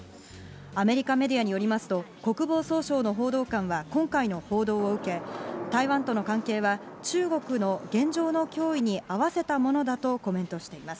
アメリカメディアによりますと、国防総省の報道官は今回の報道を受け、台湾との関係は中国の現状の脅威に合わせたものだとコメントしています。